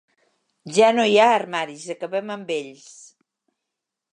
Ja no hi ha armaris, acabem amb ells.